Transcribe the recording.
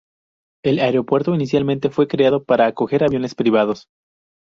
El aeropuerto inicialmente fue creado para acoger aviones privados.